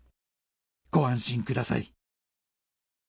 「ご安心ください」